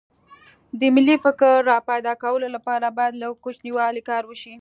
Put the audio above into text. د ملي فکر راپیدا کولو لپاره باید له کوچنیوالي کار وشي